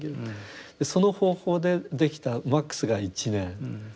その方法でできたマックスが１年。